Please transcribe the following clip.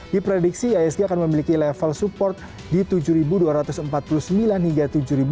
di prediksi isg akan memiliki level support di tujuh ribu dua ratus empat puluh sembilan hingga tujuh ribu dua ratus dua puluh dua